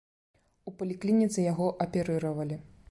У паліклініцы яго аперыравалі.